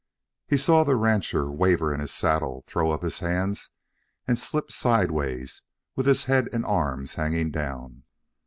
He saw the rancher waver in the saddle, throw up his hands and slip sideways with head and arms hanging down.